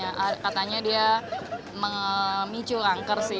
katanya dia mengicu rangker sih